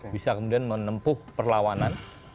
bisa kemudian menempuh perlawanan